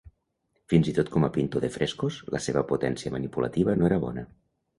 Fins i tot com a pintor de frescos, la seva potència manipulativa no era bona.